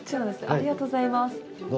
ありがとうございます。